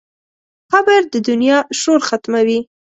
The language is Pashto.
قبر د دنیا شور ختموي.